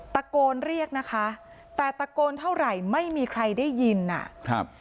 ตะโกนเรียกนะคะแต่ตะโกนเท่าไหร่ไม่มีใครได้ยินอ่ะครับ